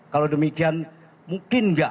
kalau demikian mungkin enggak